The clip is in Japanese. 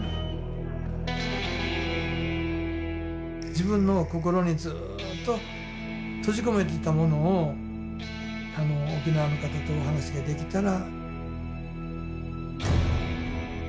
自分の心にずっと閉じ込めていたものを沖縄の方とお話ができたら。